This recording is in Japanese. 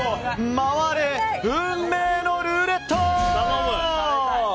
回れ、運命のルーレット！